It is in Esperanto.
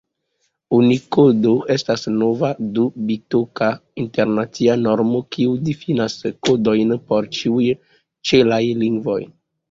Unikodo estas nova, du-bitoka internacia normo, kiu difinas kodojn por ĉiuj ĉefaj lingvoj.